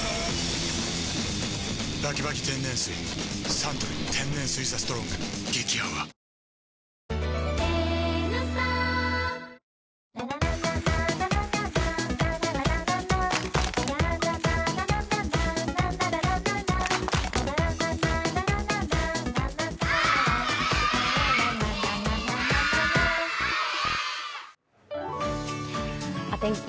サントリー天然水「ＴＨＥＳＴＲＯＮＧ」激泡お天気